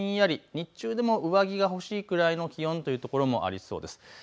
日中でも上着が欲しいくらいの気温という所もありそうです。